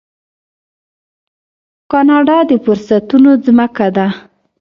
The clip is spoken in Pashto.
کاناډا د فرصتونو ځمکه ده.